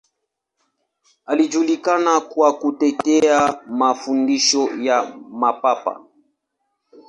Alijulikana kwa kutetea mafundisho ya Mapapa.